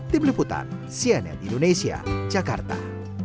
tim liputan cnn indonesia jakarta